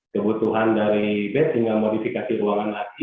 kebutuhan dari bed hingga modifikasi buangan lagi